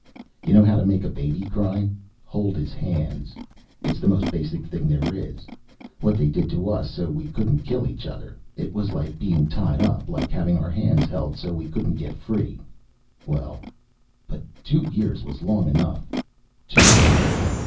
You know how to make a baby cry? Hold his hands. It's the most basic thing there is. What they did to us so we couldn't kill each other, it was like being tied up, like having our hands held so we couldn't get free. Well. But two years was long enough. Too long.